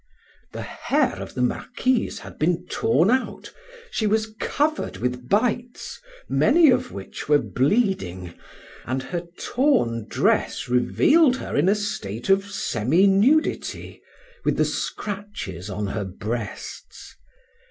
The hair of the Marquise had been torn out, she was covered with bites, many of which were bleeding, and her torn dress revealed her in a state of semi nudity, with the scratches on her breasts.